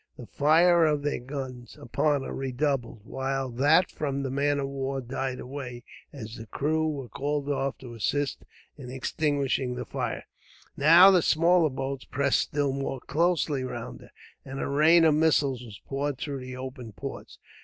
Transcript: The fire of their guns upon her redoubled, while that from the man of war died away, as the crew were called off to assist in extinguishing the flames. Now the smaller boats pressed still more closely round her, and a rain of missiles was poured through the open ports.